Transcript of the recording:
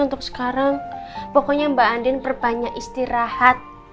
untuk sekarang pokoknya mbak andin perbanyak istirahat